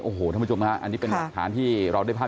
โอ้โหท่านผู้ชมฮะอันนี้เป็นหลักฐานที่เราได้ภาพ